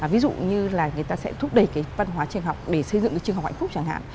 ví dụ như là người ta sẽ thúc đẩy cái văn hóa trường học để xây dựng cái trường học hạnh phúc chẳng hạn